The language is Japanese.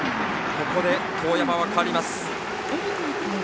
ここで當山は代わります。